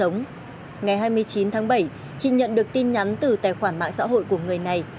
ngày hai mươi chín tháng bảy chị nhận được tin nhắn từ tài khoản mạng xã hội của người này